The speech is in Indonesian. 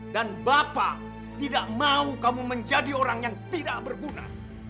dan bapak tidak mau kamu menjadi orang yang tidak berguna